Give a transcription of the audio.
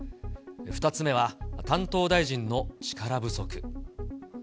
２つ目は担当大臣の力不足。